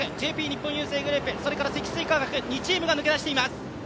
ＪＰ日本郵政グループ、それから積水化学２チームが抜け出しています。